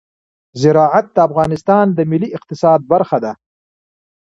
زراعت د افغانستان د ملي اقتصاد برخه ده.